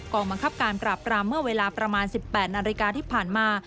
องบังคับการปราบรามเมื่อเวลาประมาณ๑๘นาฬิกาที่ผ่านมา